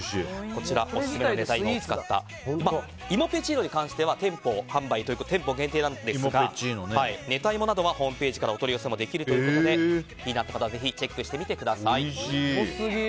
こちらオススメの寝た芋を使った芋ぺちーのは店舗限定なんですが寝た芋などはホームページからお取り寄せもできるということで気になった方はぜひチェックしてみてください。